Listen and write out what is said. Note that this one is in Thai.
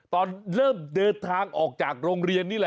ตอนเริ่มเดินทางออกจากโรงเรียนนี่แหละ